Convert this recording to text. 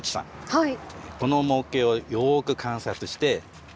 はい。